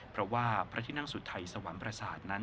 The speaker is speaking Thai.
เพราะว่าพระที่นั่งสุทัยสวรรค์ประสาทนั้น